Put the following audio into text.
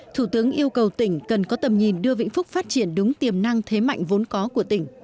thủ tướng yêu cầu tỉnh cần có tầm nhìn đưa vĩnh phúc phát triển đúng tiềm năng thế mạnh vốn có của tỉnh